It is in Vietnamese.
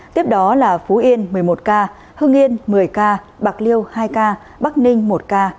tiếp đó là phú yên một mươi một ca hưng yên một mươi ca bạc liêu hai ca bắc ninh một ca